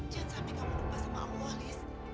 jangan sampai kamu lupa sama allah lis